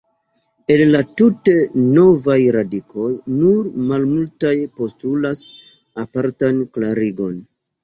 El la tute novaj radikoj, nur malmultaj postulas apartan klarigon.